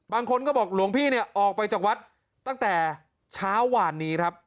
บางคนก็บอกหลวงพี่เนี่ยออกไปจากวัดตั้งแต่เช้าหวานนี้ครับ